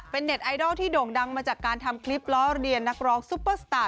เป็นเน็ตไอดอลที่โด่งดังมาจากการทำคลิปล้อเรียนนักร้องซุปเปอร์สตาร์